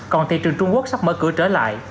còn thị trường trung quốc sắp mở cửa trở lại